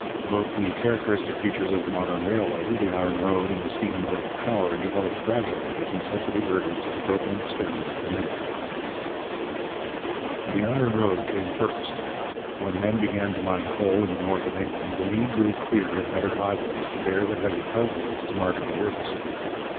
Both the characteristic features of the modern railway, the iron road and the steam motive power, developed gradually as necessity urged and groping experiment permitted. The iron road came first. When men began to mine coal in the north of England, the need grew clear of better highways to bear the heavy cart loads to market or riverside.